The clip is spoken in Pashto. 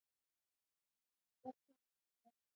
ځمکه د افغانستان د ولایاتو په کچه توپیر لري.